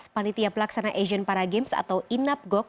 panitia pelaksana asian paragames atau inapgog